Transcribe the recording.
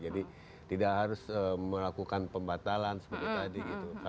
jadi tidak harus melakukan pembatalan seperti tadi